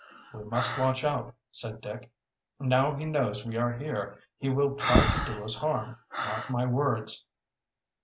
"We must watch out," said Dick. "Now he knows we are here he will try to do us harm, mark my words."